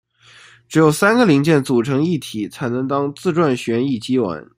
只有三个零件组成一体才能当自转旋翼机玩。